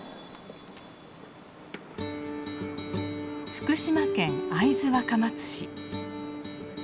福島県会津若松市。